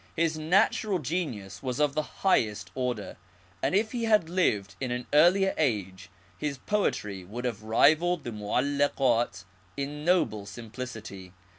His natural genius was of the highest order, and if he had lived in an earlier age his poetry would have rivalled the Mo'allakat in noble simplicity.